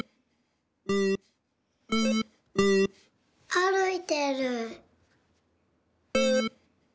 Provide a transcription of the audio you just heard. あるいてる。